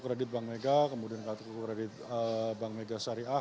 kredit bank mega kemudian kartu kredit bank mega syariah